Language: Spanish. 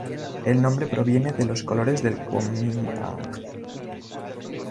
El nombre proviene de los colores del Kuomintang.